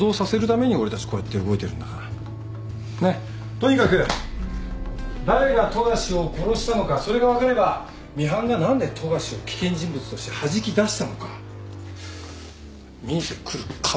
とにかく誰が富樫を殺したのかそれが分かればミハンが何で富樫を危険人物としてはじき出したのか見えてくるかもね。